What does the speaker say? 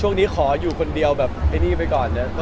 ช่วงนี้ขออยู่คนเดียวแบบไอ้นี่ไปก่อนนะ